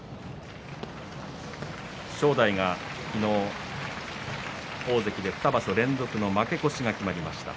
正代が昨日、大関で２場所連続の負け越しが決まりました。